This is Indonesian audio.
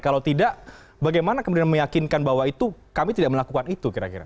kalau tidak bagaimana kemudian meyakinkan bahwa itu kami tidak melakukan itu kira kira